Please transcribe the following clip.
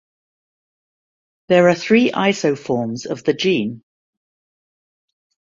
There are three isoforms of the gene.